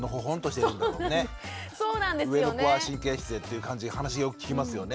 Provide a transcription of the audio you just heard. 上の子は神経質でっていう話よく聞きますよね。